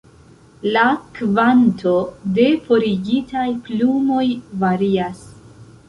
La kvanto de forigitaj plumoj varias.